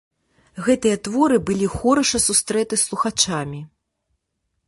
Гэтыя творы былі хораша сустрэты слухачамі.